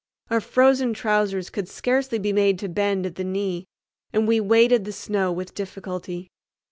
Our frozen trousers could scarcely be made to bend at the knee, and we waded the snow with difficulty.